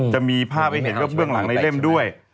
จะมีภาพให้เห็นว่าเบื้องหลังในเล่มด้วย